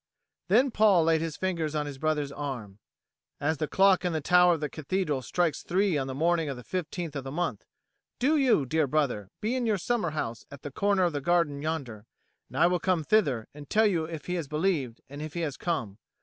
Then Paul laid his finger on his brother's arm. "As the clock in the tower of the cathedral strikes three on the morning of the 15th of the month, do you, dear brother, be in your summer house at the corner of the garden yonder; and I will come thither and tell you if he has believed and if he has come.